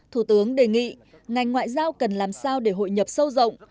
thủ tướng đề nghị ngành ngoại giao cần làm sao để hội nhập sâu rộng